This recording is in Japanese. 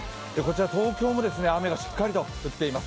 早朝は雨がしっかり降っています。